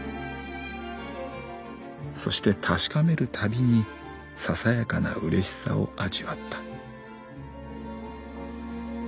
そして確かめるたびにささやかな嬉しさを味わった」。